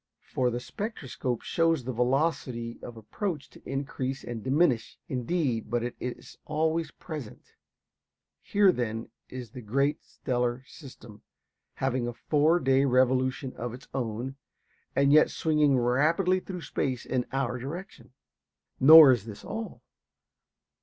For the spectroscope shows the velocity of approach to increase and diminish, indeed, but it is always present. Here, then, is this great stellar system, having a four day revolution of its own, and yet swinging rapidly through space in our direction. Nor is this all.